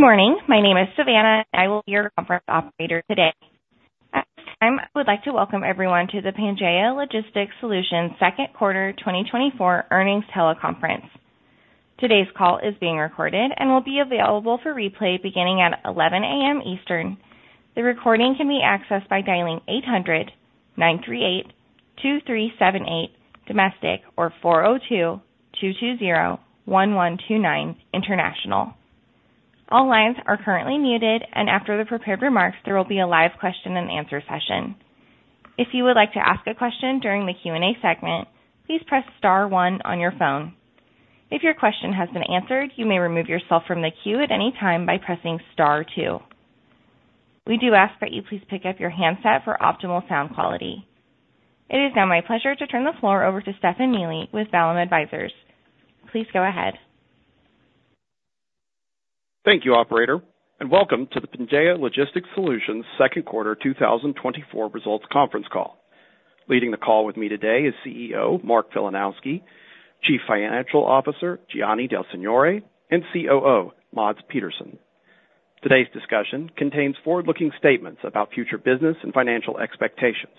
Good morning. My name is Savannah, and I will be your conference operator today. At this time, I would like to welcome everyone to the Pangaea Logistics Solutions Q2 2024 Earnings Teleconference. Today's call is being recorded and will be available for replay beginning at 11 A.M. Eastern. The recording can be accessed by dialing 800-938-2378 domestic or 402-220-1129 international. All lines are currently muted, and after the prepared remarks, there will be a live question-and-answer session. If you would like to ask a question during the Q&A segment, please press star one on your phone. If your question has been answered, you may remove yourself from the queue at any time by pressing star two. We do ask that you please pick up your handset for optimal sound quality. It is now my pleasure to turn the floor over to Stefan Neely with Vallum Advisors. Please go ahead. Thank you, operator, and welcome to the Pangaea Logistics Solutions Q2 2024 results conference call. Leading the call with me today is CEO Mark Filanowski, Chief Financial Officer Gianni Del Signore, and COO Mads Petersen. Today's discussion contains forward-looking statements about future business and financial expectations.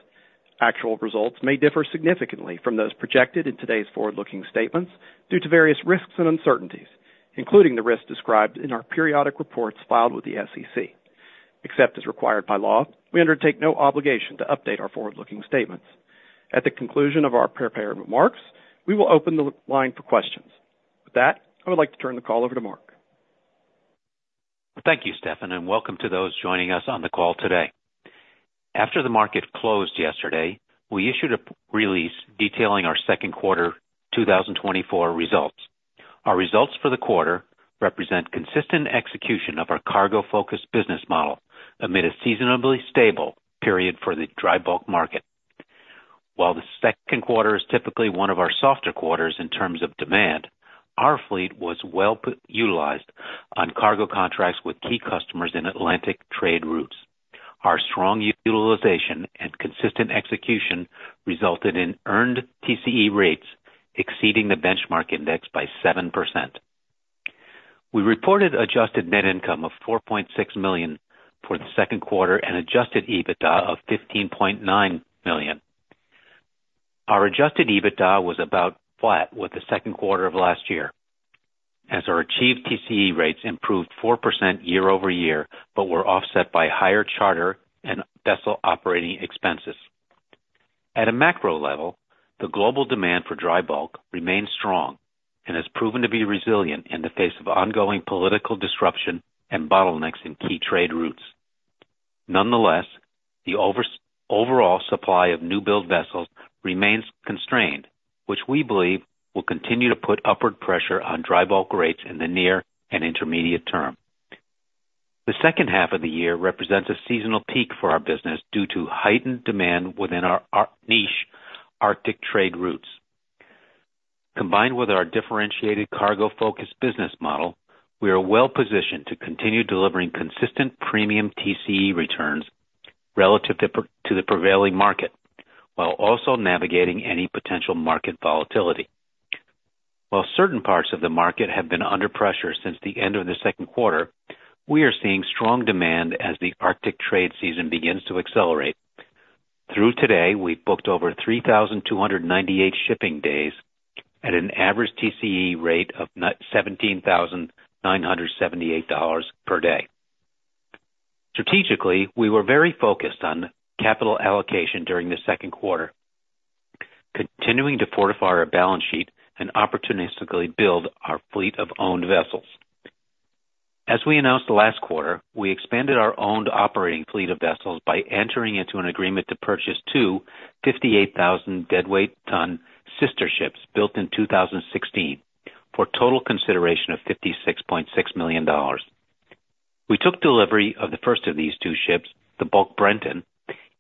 Actual results may differ significantly from those projected in today's forward-looking statements due to various risks and uncertainties, including the risks described in our periodic reports filed with the SEC. Except as required by law, we undertake no obligation to update our forward-looking statements. At the conclusion of our prepared remarks, we will open the line for questions. With that, I would like to turn the call over to Mark. Thank you, Stefan, and welcome to those joining us on the call today. After the market closed yesterday, we issued a press release detailing our Q2 2024 results. Our results for the quarter represent consistent execution of our cargo-focused business model amid a seasonably stable period for the dry bulk market. While the Q2 is typically one of our softer quarters in terms of demand, our fleet was well utilized on cargo contracts with key customers in Atlantic trade routes. Our strong utilization and consistent execution resulted in earned TCE rates exceeding the benchmark index by 7%. We reported adjusted net income of $4.6 million for the Q2 and adjusted EBITDA of $15.9 million. Our adjusted EBITDA was about flat with the Q2 of last year, as our achieved TCE rates improved 4% year-over-year, but were offset by higher charter and vessel operating expenses. At a macro level, the global demand for dry bulk remains strong and has proven to be resilient in the face of ongoing political disruption and bottlenecks in key trade routes. Nonetheless, the overall supply of new-build vessels remains constrained, which we believe will continue to put upward pressure on dry bulk rates in the near and intermediate term. The second half of the year represents a seasonal peak for our business due to heightened demand within our niche Arctic trade routes. Combined with our differentiated cargo-focused business model, we are well positioned to continue delivering consistent premium TCE returns relative to the prevailing market, while also navigating any potential market volatility. While certain parts of the market have been under pressure since the end of the Q2, we are seeing strong demand as the Arctic trade season begins to accelerate. Through today, we've booked over 3,298 shipping days at an average TCE rate of $17,978 per day. Strategically, we were very focused on capital allocation during the Q2, continuing to fortify our balance sheet and opportunistically build our fleet of owned vessels. As we announced last quarter, we expanded our owned operating fleet of vessels by entering into an agreement to purchase two 58,000 deadweight ton sister ships, built in 2016, for a total consideration of $56.6 million. We took delivery of the first of these two ships, the Bulk Brenton,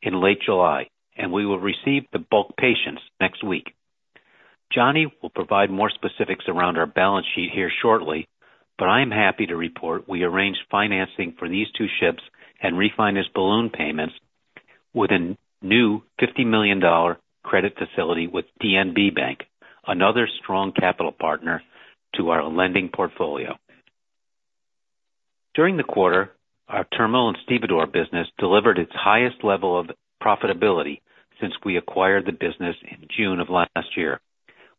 in late July, and we will receive the Bulk Patience next week. Gianni will provide more specifics around our balance sheet here shortly, but I am happy to report we arranged financing for these two ships and refinanced balloon payments with a new $50 million credit facility with DNB Bank, another strong capital partner to our lending portfolio. During the quarter, our terminal and stevedore business delivered its highest level of profitability since we acquired the business in June of last year.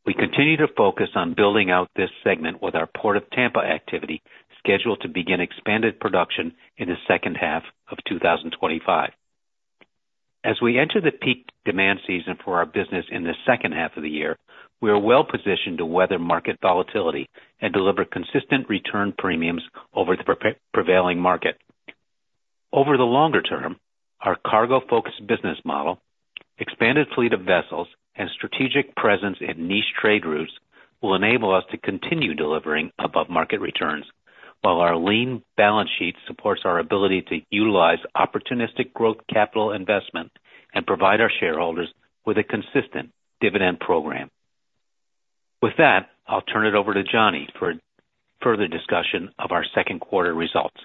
We continue to focus on building out this segment with our Port of Tampa activity, scheduled to begin expanded production in the second half of 2025. As we enter the peak demand season for our business in the second half of the year, we are well positioned to weather market volatility and deliver consistent return premiums over the prevailing market. Over the longer term, our cargo-focused business model, expanded fleet of vessels, and strategic presence in niche trade routes will enable us to continue delivering above-market returns, while our lean balance sheet supports our ability to utilize opportunistic growth capital investment and provide our shareholders with a consistent dividend program. With that, I'll turn it over to Gianni for further discussion of our Q2 results. ...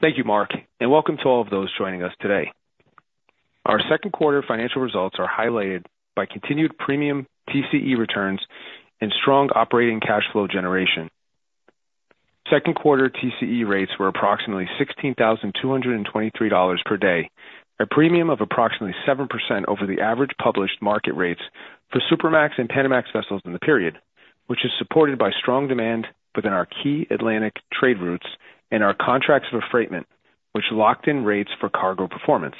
Thank you, Mark, and welcome to all of those joining us today. Our Q2 financial results are highlighted by continued premium TCE returns and strong operating cash flow generation. Q2 TCE rates were approximately $16,223 per day, a premium of approximately 7% over the average published market rates for Supramax and Panamax vessels in the period, which is supported by strong demand within our key Atlantic trade routes and our contracts of affreightment, which locked in rates for cargo performance.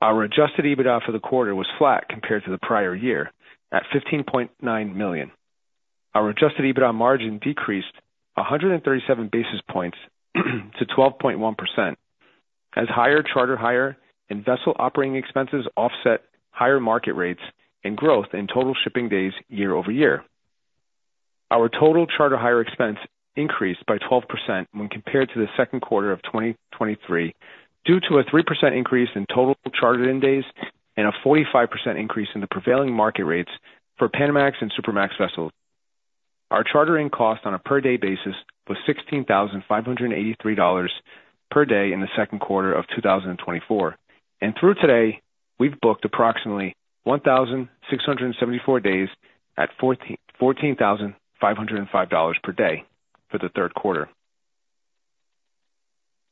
Our Adjusted EBITDA for the quarter was flat compared to the prior year, at $15.9 million. Our Adjusted EBITDA margin decreased 137 basis points to 12.1%, as higher charter hire and vessel operating expenses offset higher market rates and growth in total shipping days year-over-year. Our total charter hire expense increased by 12% when compared to the Q2 of 2023, due to a 3% increase in total chartered-in days and a 45% increase in the prevailing market rates for Panamax and Supramax vessels. Our chartering cost on a per day basis was $16,583 per day in the Q2 of 2024, and through today, we've booked approximately 1,674 days at $14,505 per day for the third quarter.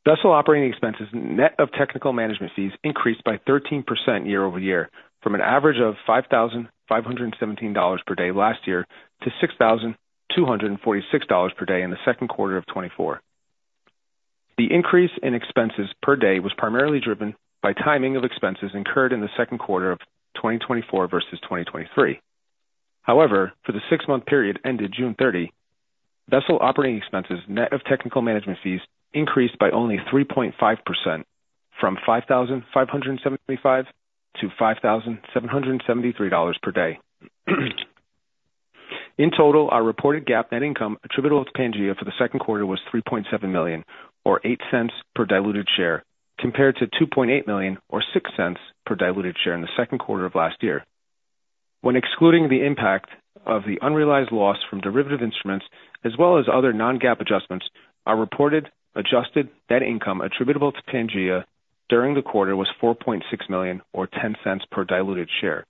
Vessel operating expenses, net of technical management fees, increased by 13% year-over-year, from an average of $5,517 per day last year to $6,246 per day in the Q2 of 2024. The increase in expenses per day was primarily driven by timing of expenses incurred in the Q2 of 2024 versus 2023. However, for the six-month period ended June 30, vessel operating expenses, net of technical management fees, increased by only 3.5%, from $5,575 to 5,773 per day. In total, our reported GAAP net income attributable to Pangaea for the Q2 was $3.7 million, or $0.08 per diluted share, compared to $2.8 million, or $0.06 per diluted share in the Q2 of last year. When excluding the impact of the unrealized loss from derivative instruments, as well as other non-GAAP adjustments, our reported adjusted net income attributable to Pangaea during the quarter was $4.6 million, or $0.10 per diluted share,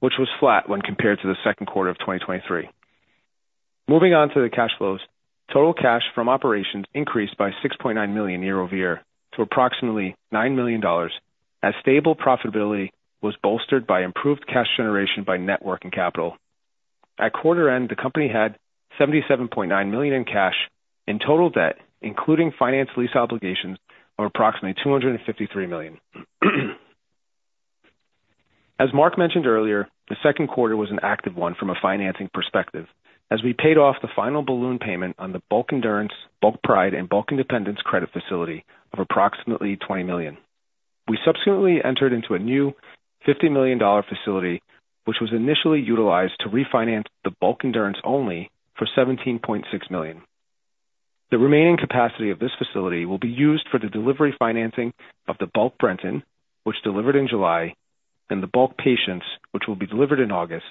which was flat when compared to the Q2 of 2023. Moving on to the cash flows. Total cash from operations increased by $6.9 million year-over-year to approximately $9 million, as stable profitability was bolstered by improved cash generation by net working capital. At quarter end, the company had $77.9 million in cash and total debt, including finance lease obligations, of approximately $253 million. As Mark mentioned earlier, the Q2 was an active one from a financing perspective, as we paid off the final balloon payment on the Bulk Endurance, Bulk Pride, and Bulk Independence credit facility of approximately $20 million. We subsequently entered into a new $50 million facility, which was initially utilized to refinance the Bulk Endurance only for $17.6 million. The remaining capacity of this facility will be used for the delivery financing of the Bulk Brenton, which delivered in July, and the Bulk Patience, which will be delivered in August.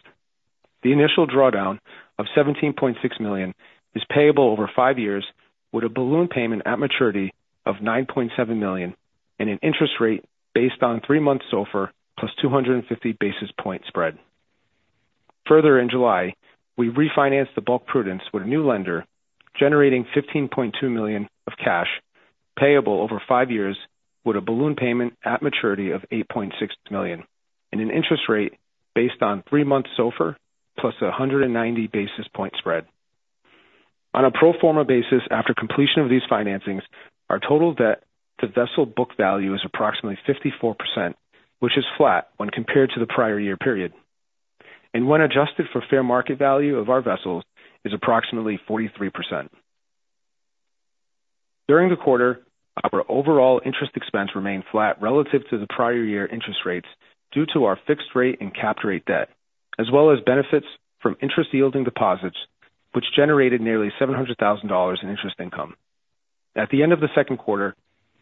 The initial drawdown of $17.6 million is payable over five years, with a balloon payment at maturity of $9.7 million and an interest rate based on three-month SOFR plus 250 basis point spread. Further, in July, we refinanced the Bulk Prudence with a new lender, generating $15.2 million of cash, payable over five years, with a balloon payment at maturity of $8.6 million and an interest rate based on three-month SOFR plus a 190 basis point spread. On a pro forma basis, after completion of these financings, our total debt to vessel book value is approximately 54%, which is flat when compared to the prior year period, and when adjusted for fair market value of our vessels, is approximately 43%. During the quarter, our overall interest expense remained flat relative to the prior year interest rates due to our fixed rate and capped rate debt, as well as benefits from interest yielding deposits, which generated nearly $700,000 in interest income. At the end of the Q2,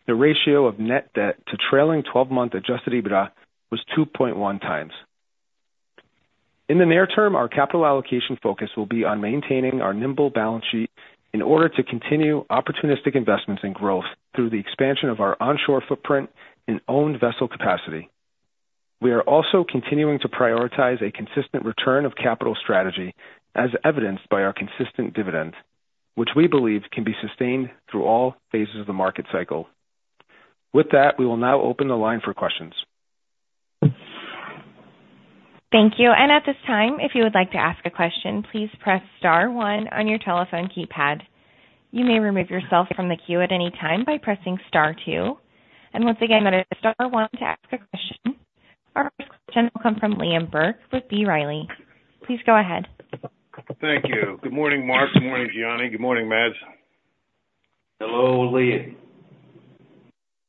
the ratio of net debt to trailing twelve-month Adjusted EBITDA was 2.1 times. In the near term, our capital allocation focus will be on maintaining our nimble balance sheet in order to continue opportunistic investments in growth through the expansion of our onshore footprint and owned vessel capacity. We are also continuing to prioritize a consistent return of capital strategy, as evidenced by our consistent dividend, which we believe can be sustained through all phases of the market cycle. With that, we will now open the line for questions. Thank you. At this time, if you would like to ask a question, please press star one on your telephone keypad. You may remove yourself from the queue at any time by pressing star two. Once again, that is star one to ask a question. Our first question will come from Liam Burke with B. Riley. Please go ahead. Thank you. Good morning, Mark. Good morning, Gianni. Good morning, Mads. Hello, Liam.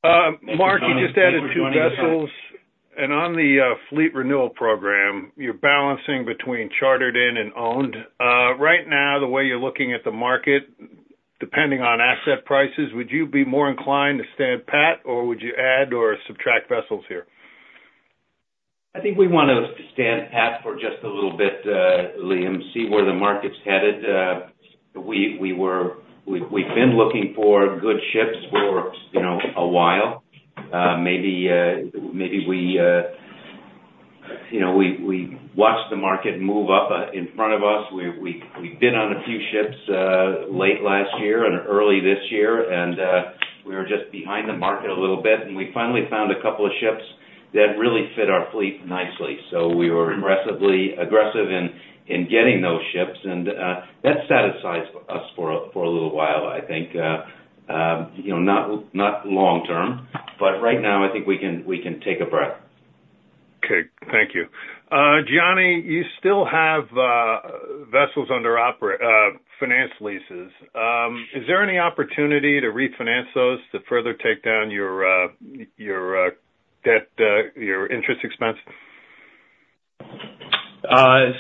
Mark, you just added two vessels, and on the fleet renewal program, you're balancing between chartered in and owned. Right now, the way you're looking at the market, depending on asset prices, would you be more inclined to stand pat, or would you add or subtract vessels here?... I think we want to stand pat for just a little bit, Liam, see where the market's headed. We've been looking for good ships for, you know, a while. Maybe, you know, we watched the market move up in front of us. We bid on a few ships late last year and early this year, and we were just behind the market a little bit, and we finally found a couple of ships that really fit our fleet nicely. So we were aggressive in getting those ships, and that satisfies us for a little while, I think. You know, not long term, but right now, I think we can take a breath. Okay. Thank you. Gianni, you still have vessels under finance leases. Is there any opportunity to refinance those to further take down your debt, your interest expense?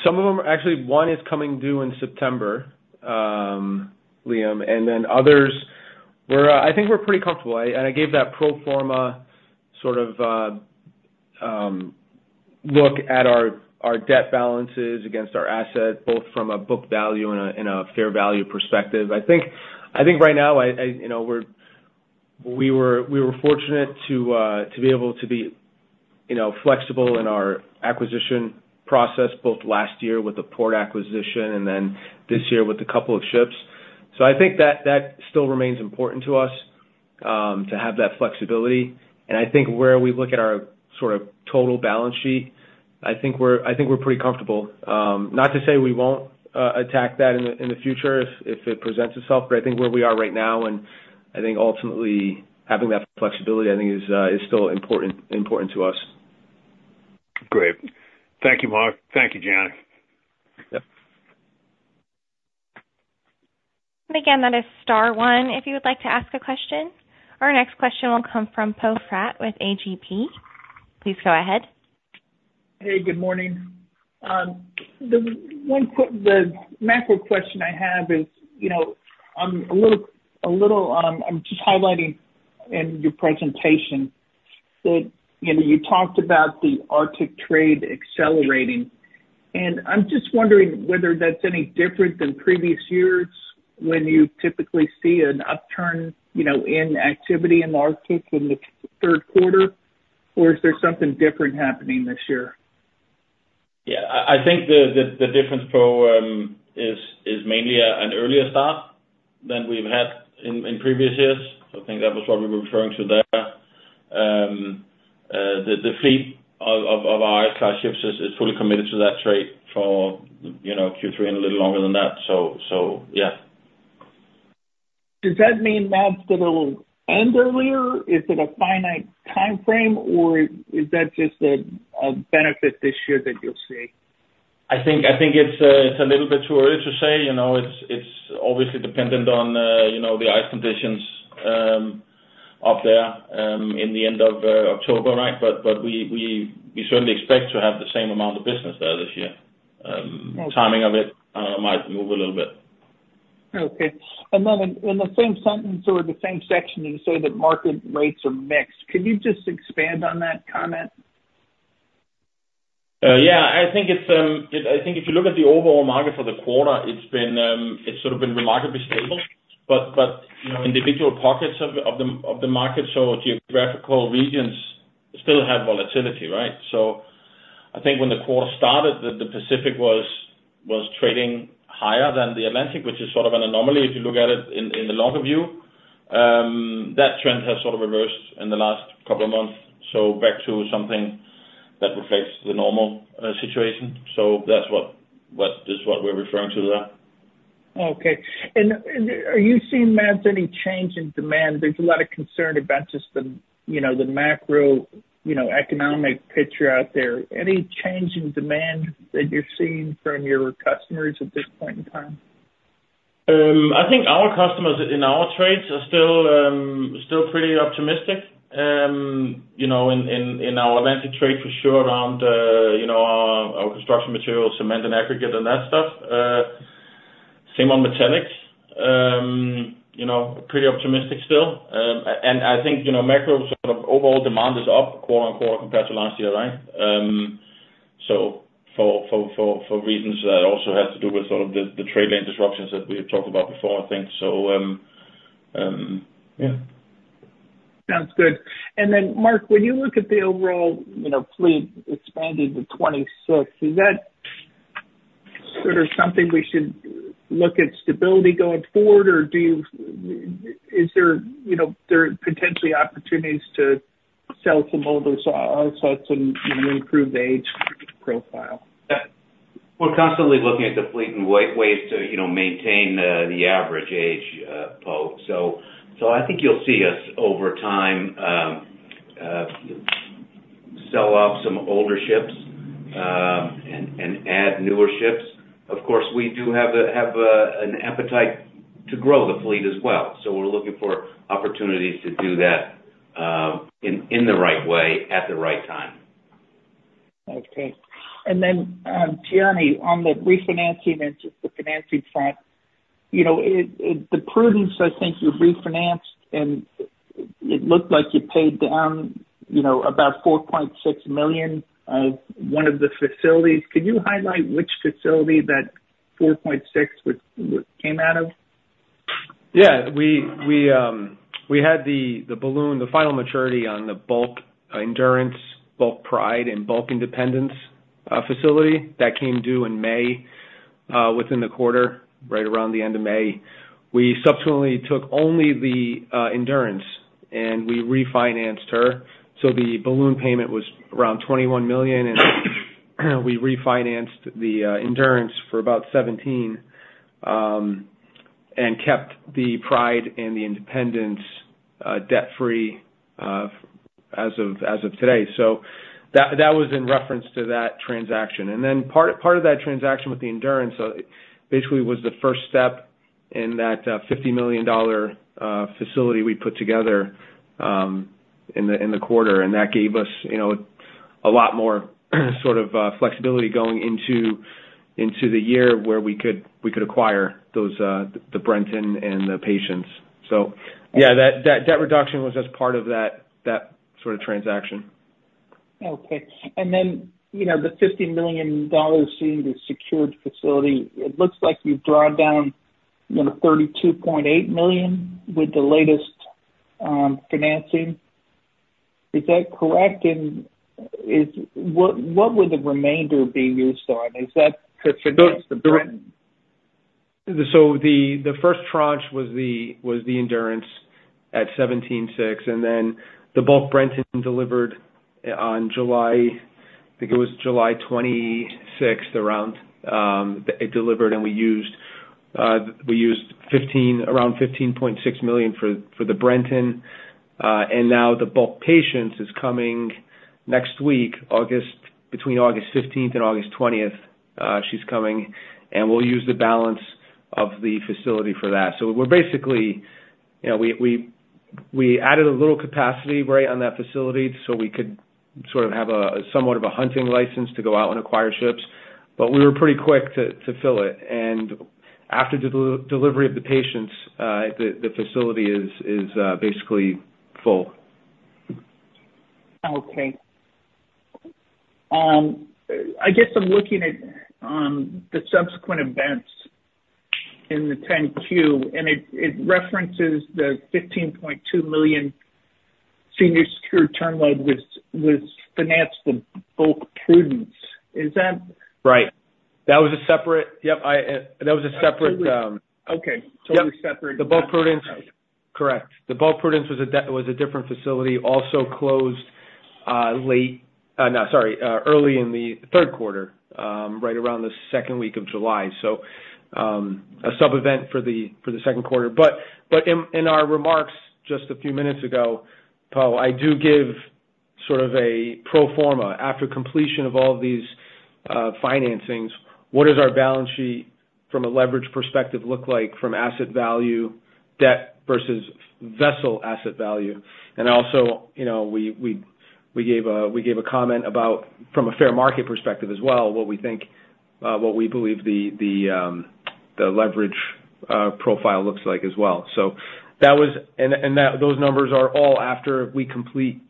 Some of them, actually, one is coming due in September, Liam, and then others, we're, I think we're pretty comfortable. And I gave that pro forma sort of look at our debt balances against our assets, both from a book value and a fair value perspective. I think right now, you know, we were fortunate to be able to be, you know, flexible in our acquisition process, both last year with the port acquisition and then this year with a couple of ships. So I think that still remains important to us, to have that flexibility. And I think where we look at our sort of total balance sheet, I think we're pretty comfortable. Not to say we won't attack that in the future if it presents itself, but I think where we are right now, and I think ultimately having that flexibility, I think is still important to us. Great. Thank you, Mark. Thank you, Gianni. Yep. And again, that is star one, if you would like to ask a question. Our next question will come from Poe Fratt with A.G.P. Please go ahead. Hey, good morning. The macro question I have is, you know, I'm just highlighting in your presentation that, you know, you talked about the Arctic trade accelerating, and I'm just wondering whether that's any different than previous years when you typically see an upturn, you know, in activity in the Arctic in the third quarter, or is there something different happening this year? Yeah, I think the difference, Poe, is mainly an earlier start than we've had in previous years. I think that was what we were referring to there. The fleet of our ice class ships is fully committed to that trade for, you know, Q3 and a little longer than that. So yeah. Does that mean that's going to end earlier? Is it a finite timeframe, or is that just a benefit this year that you'll see? I think it's a little bit too early to say. You know, it's obviously dependent on, you know, the ice conditions up there in the end of October, right? But we certainly expect to have the same amount of business there this year. Okay. Timing of it might move a little bit. Okay. And then in the same sentence or the same section, you say that market rates are mixed. Could you just expand on that comment? Yeah, I think if you look at the overall market for the quarter, it's been sort of remarkably stable. But you know, individual pockets of the market, so geographical regions still have volatility, right? So I think when the quarter started, the Pacific was trading higher than the Atlantic, which is sort of an anomaly if you look at it in the longer view. That trend has sort of reversed in the last couple of months, so back to something that reflects the normal situation. So that's just what we're referring to there. Okay. And are you seeing, Mads, any change in demand? There's a lot of concern about just the, you know, the macro, you know, economic picture out there. Any change in demand that you're seeing from your customers at this point in time? I think our customers in our trades are still pretty optimistic. You know, in our Atlantic trade for sure around, you know, our construction materials, cement and aggregate and that stuff. Same on metallics. You know, pretty optimistic still. And I think, you know, macro sort of overall demand is up quarter-over-quarter compared to last year, right? So for reasons that also has to do with sort of the trade lane disruptions that we had talked about before, I think so, yeah. Sounds good. And then, Mark, when you look at the overall, you know, fleet expanding to 26, is that sort of something we should look at stability going forward, or do you... Is there, you know, there are potentially opportunities to sell some older, so also to, you know, improve the age profile? Yeah. We're constantly looking at the fleet and ways to, you know, maintain the average age, Poe. So, I think you'll see us over time sell off some older ships and add newer ships. Of course, we do have an appetite to grow the fleet as well, so we're looking for opportunities to do that, in the right way, at the right time. Okay. And then, Gianni, on the refinancing and just the financing front, you know, it, the Prudence, I think you refinanced and it looked like you paid down, you know, about $4.6 million of one of the facilities. Could you highlight which facility that $4.6 million came out of? Yeah, we had the balloon, the final maturity on the Bulk Endurance, Bulk Pride, and Bulk Independence facility that came due in May within the quarter, right around the end of May. We subsequently took only the Endurance, and we refinanced her. So the balloon payment was around $21 million, and we refinanced the Endurance for about $17 million and kept the Pride and the Independence debt-free as of today. So that was in reference to that transaction. And then part of that transaction with the Endurance basically was the first step in that $50 million facility we put together in the quarter. That gave us, you know, a lot more sort of flexibility going into the year where we could acquire those, the Brenton and the Patience. So yeah, that reduction was as part of that sort of transaction. Okay. And then, you know, the $50 million in the secured facility, it looks like you've drawn down, you know, $32.8 million with the latest financing. Is that correct? And is... What would the remainder be used on? Is that to finance the Brenton? So the first tranche was the Bulk Endurance at $17.6 million, and then the Bulk Brenton delivered on July. I think it was July 26th. It delivered, and we used around $15.6 million for the Brenton. And now the Bulk Patience is coming next week, August, between August 15th and August 20th. She's coming, and we'll use the balance of the facility for that. So we're basically, you know, we added a little capacity, right, on that facility, so we could have a hunting license to go out and acquire ships. But we were pretty quick to fill it. And after delivery of the Patience, the facility is basically full. Okay. I guess I'm looking at the subsequent events in the 10-Q, and it references the $15.2 million senior secured term loan, which was financed with Bulk Prudence. Is that- Right. That was a separate... Yep, I, that was a separate... Okay. Yep. Totally separate. The Bulk Prudence. Correct. The Bulk Prudence was a different facility, also closed, early in the third quarter, right around the second week of July. So, a sub-event for the Q2. But in our remarks just a few minutes ago, Paul, I do give sort of a pro forma. After completion of all these financings, what does our balance sheet from a leverage perspective look like from asset value, debt versus vessel asset value? And also, you know, we gave a comment about, from a fair market perspective as well, what we think, what we believe the leverage profile looks like as well. So that was... And those numbers are all after we complete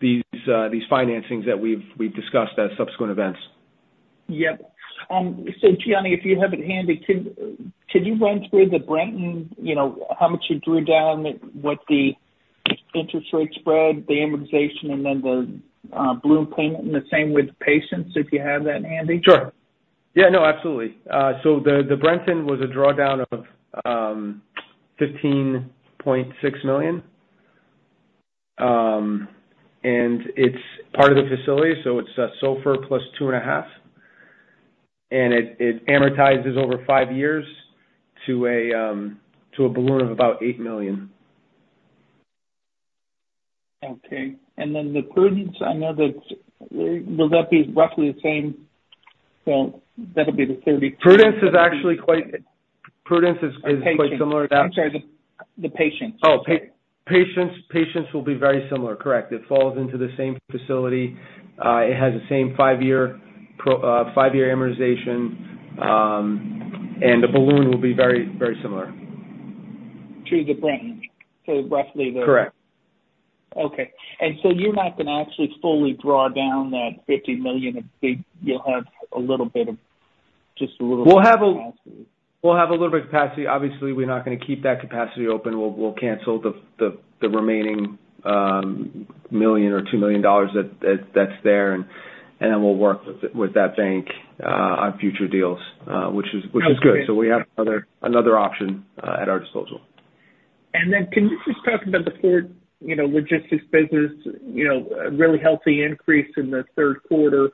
these financings that we've discussed as subsequent events. Yep. So Gianni, if you have it handy, could you run through the Brenton, you know, how much you drew down, what the interest rate spread, the amortization, and then the balloon payment, and the same with Patience, if you have that handy? Sure. Yeah, no, absolutely. So the, the Brenton was a drawdown of $15.6 million. And it's part of the facility, so it's, SOFR plus 2.5, and it, it amortizes over 5 years to a, to a balloon of about $8 million. Okay. And then the Prudence, I know that... Will that be roughly the same? So that'll be the 30- Prudence is actually quite similar to that. I'm sorry, the Patience. Oh, Patience, Patience will be very similar, correct. It falls into the same facility. It has the same five-year amortization, and the balloon will be very, very similar. To the Brenton? So roughly the- Correct. Okay. And so you're not going to actually fully draw down that $50 million of the... You'll have a little bit of, just a little bit of capacity. We'll have a little bit of capacity. Obviously, we're not going to keep that capacity open. We'll cancel the remaining $1 million or $2 million that's there, and then we'll work with that bank on future deals, which is good. So we have another option at our disposal. And then can you just talk about the port, you know, logistics business? You know, a really healthy increase in the third quarter.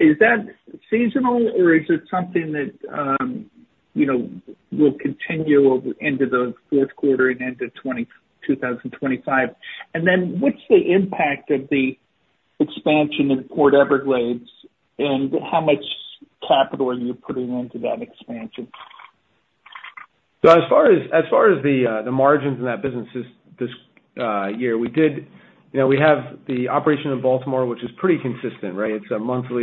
Is that seasonal, or is it something that, you know, will continue into the fourth quarter and into 2025? And then what's the impact of the expansion in Port Everglades, and how much capital are you putting into that expansion? So as far as the margins in that business this year, we did. You know, we have the operation in Baltimore, which is pretty consistent, right? It's a monthly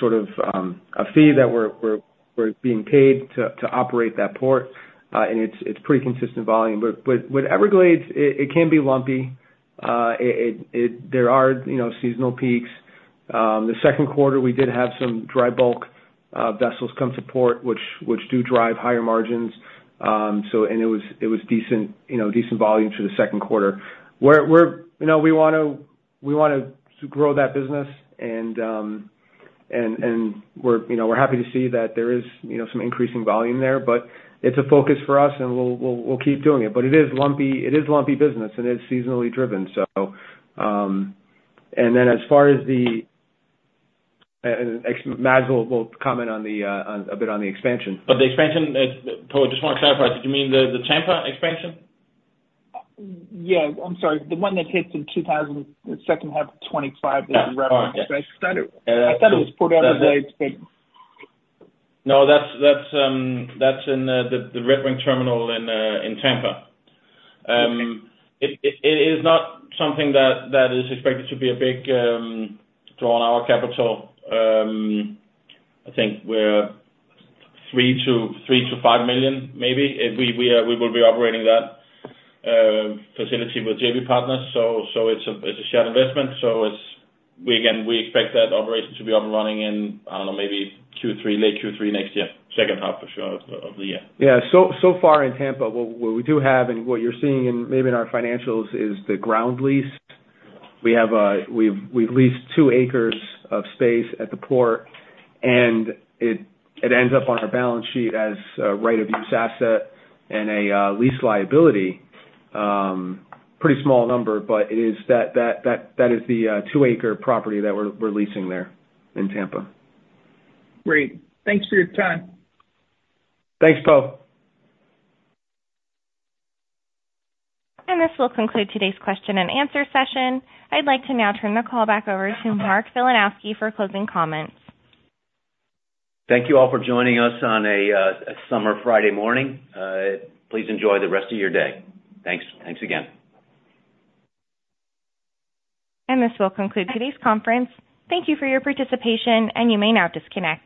sort of a fee that we're being paid to operate that port, and it's pretty consistent volume. But with Everglades, it can be lumpy. It there are, you know, seasonal peaks. The Q2, we did have some dry bulk vessels come to port, which do drive higher margins. So and it was decent, you know, decent volume through the Q2. We're, you know, we want to grow that business, and we're, you know, happy to see that there is, you know, some increasing volume there, but it's a focus for us, and we'll keep doing it. But it is lumpy, it is lumpy business, and it's seasonally driven, so. And then as far as the Mads will comment on a bit on the expansion. But the expansion, Poe, just want to clarify, did you mean the Tampa expansion? Yeah, I'm sorry. The one that hits in the second half of 2025. Yeah. All right. I thought it was Port Everglades, but- No, that's in the Redwing terminal in Tampa. It is not something that is expected to be a big draw on our capital. I think we're $3 million-$5 million, maybe. We will be operating that facility with JV partners, so it's a shared investment. So, we again expect that operation to be up and running in, I don't know, maybe Q3, late Q3 next year, second half for sure of the year. Yeah. So far in Tampa, what we do have and what you're seeing in, maybe in our financials, is the ground lease. We have, we've leased two acres of space at the port, and it ends up on our balance sheet as a right of use asset and a lease liability. Pretty small number, but it is that that is the two-acre property that we're leasing there in Tampa. Great. Thanks for your time. Thanks, Poe. This will conclude today's question and answer session. I'd like to now turn the call back over to Mark Filanowski for closing comments. Thank you all for joining us on a summer Friday morning. Please enjoy the rest of your day. Thanks. Thanks again. This will conclude today's conference. Thank you for your participation, and you may now disconnect.